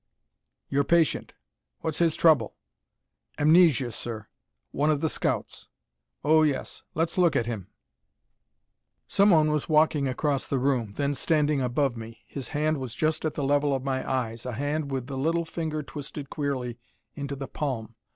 "Your patient. What's his trouble?" "Amnesia, sir. One of the scouts." "Oh, yes. Let's look at him." Someone was walking across the room, then standing above me. His hand was just at the level of my eyes a hand with the little finger twisted queerly into the palm.